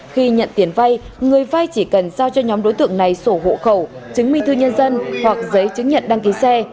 khi nhận tiền vay người vay chỉ cần giao cho nhóm đối tượng này